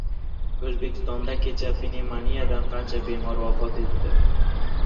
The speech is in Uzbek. O‘zbekistonda kecha pnevmoniyadan qancha bemor vafot etdi?